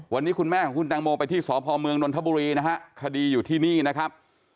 วันนี้คุณแม่ของคุณแตงโมไปที่สพเมืองนนทบุรีนะฮะคดีอยู่ที่นี่นะครับ